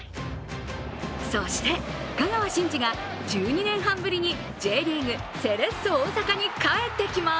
そして、香川真司が１２年半ぶりにＪリーグ・セレッソ大阪に帰ってきます。